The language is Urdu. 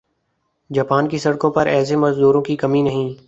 جاپان کی سڑکوں پر ایسے مزدوروں کی کمی نہیں